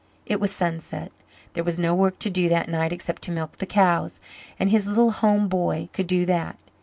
It was sunset. There was no work to do that night except to milk the cows, and his little home boy could do that.